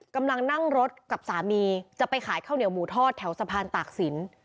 กำลังนั่งรถกับสามีจะไปขายข้าวเหนียวหมูทอดแถวสะพานตากศิลป์